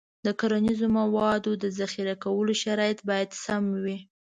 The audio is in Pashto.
د کرنیزو موادو د ذخیره کولو شرایط باید سم وي.